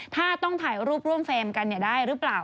ถ้าต้องถ่ายรูปร่วมเฟรมกันได้หรือเปล่า